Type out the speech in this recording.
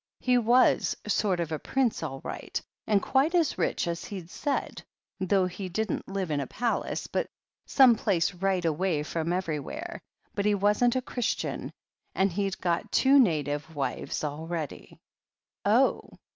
He was a sort of prince all right, and quite as rich as he'd said — though he didn't live in a palace, but some place right away from every where — ^but he wasn't a Christian — and he'd got two native wives already/^ "Oh!"